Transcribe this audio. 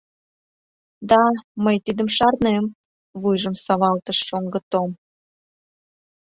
— Да, мый тидым шарнем, — вуйжым савалтыш Шоҥго Том.